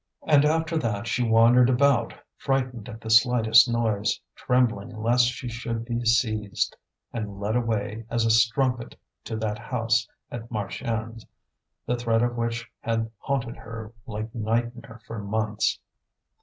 And after that she wandered about, frightened at the slightest noise, trembling lest she should be seized and led away as a strumpet to that house at Marchiennes, the threat of which had haunted her like nightmare for months.